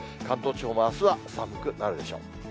関東地方もあすは寒くなるでしょう。